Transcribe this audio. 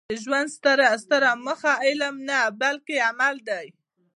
د ژوند ستره موخه علم نه؛ بلکي عمل دئ.